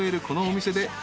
このお店で］